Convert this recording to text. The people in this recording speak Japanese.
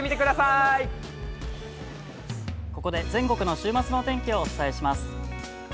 ◆ここで全国の週末のお天気をお伝えします。